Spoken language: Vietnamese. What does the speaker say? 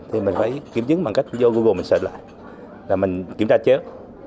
thì mình phải kiểm chứng bằng cách vô google mình sợi lại là mình kiểm tra chết